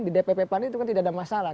di dpp pan itu kan tidak ada masalah